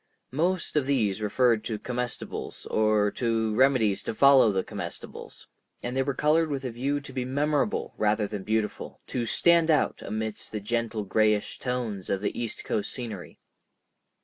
Most of these referred to comestibles or to remedies to follow the comestibles; and they were colored with a view to be memorable rather than beautiful, to "stand out" amidst the gentle grayish tones of the east coast scenery.